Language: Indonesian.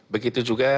begitu juga dengan